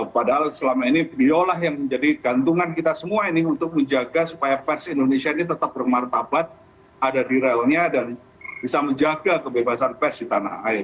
padahal selama ini beliau lah yang menjadi gantungan kita semua ini untuk menjaga supaya pers indonesia ini tetap bermartabat ada di relnya dan bisa menjaga kebebasan pers di tanah air